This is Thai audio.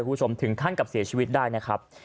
คุณผู้ชมถึงขั้นกับเสียชีวิตได้นะครับ